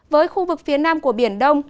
với khu vực phía nam của biển đông